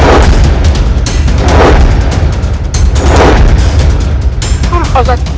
sampai dulu ya